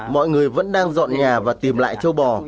mọi người vẫn đang dọn nhà và tìm lại châu bò